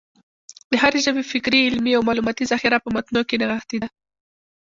د هري ژبي فکري، علمي او معلوماتي ذخیره په متونو کښي نغښتې ده.